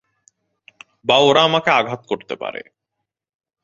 বা ওরা আমাকে আঘাত করতে পারে।